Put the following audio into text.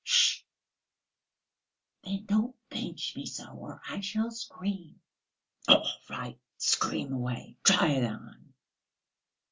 "Sh!" "Then don't pinch me so, or I shall scream." "All right, scream away, try it on."